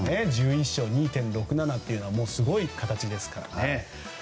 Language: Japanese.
１１勝、２．６７というのはすごい形ですから。